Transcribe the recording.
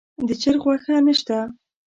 د چرګ غوښه نه شته.